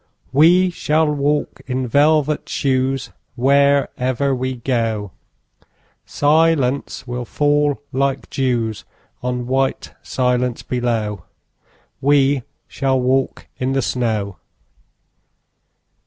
We shall walk in velvet shoes: Wherever we go Silence will fall like dews On white silence below. We shall walk in the snow.